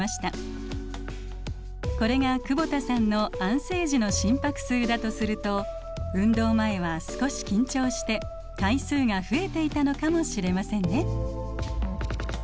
これが久保田さんの安静時の心拍数だとすると運動前は少し緊張して回数が増えていたのかもしれませんね。